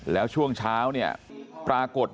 แล้วตามหายาดของแม่ลูกคู่นี้